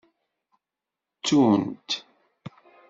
Ttunt.